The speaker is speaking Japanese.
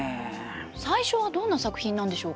最初はどんな作品なんでしょうか。